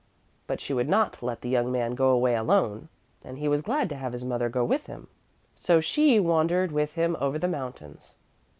But she would not let the young man go away alone, and he was glad to have his mother go with him. So she wandered with him over the mountains.